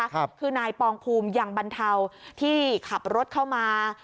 คือนายปองภูมิยังบรรเทาที่ขับรถเข้ามา